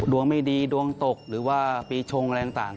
ดวงไม่ดีดวงตกหรือว่าปีชงอะไรต่าง